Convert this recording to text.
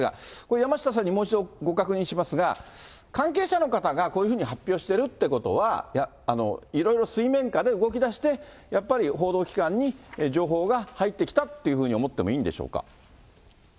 山下さんにもう一度ご確認いたしますが、関係者の方がこういうふうに発表しているということは、いろいろ水面下で動きだして、やっぱり、報道機関に情報が入ってきたというふうに思ってもいいんでしょうか。